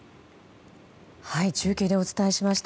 中継でお伝えしました。